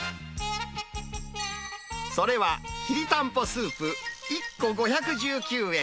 それはきりたんぽスープ１個５１９円。